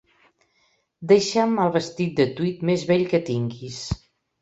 Deixa'm el vestit de tweed més vell que tinguis.